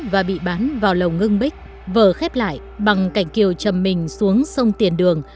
và bị bán vào lồng ngưng bích vở khép lại bằng cảnh kiều trầm mình xuống sông tiền đường